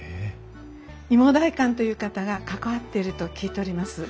いも代官という方が関わっていると聞いております。